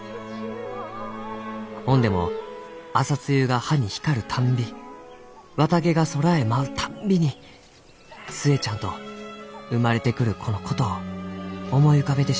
ほんでも朝露が葉に光るたんび綿毛が空へ舞うたんびに寿恵ちゃんと生まれてくる子のことを思い浮かべてしまうがじゃ」。